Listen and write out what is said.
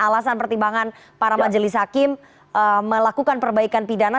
alasan pertimbangan para majelis hakim melakukan perbaikan pidana